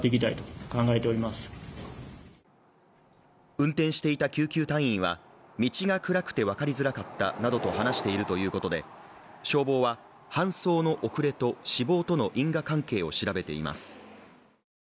運転していた救急隊員は、道が暗くて分かりづらかったなどと話しているということで、消防は搬送の遅れと死亡との因果関係を調べています。